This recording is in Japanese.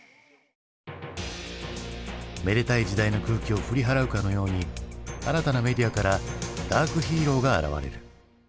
めでたい時代の空気を振り払うかのように新たなメディアからダークヒーローが現れる。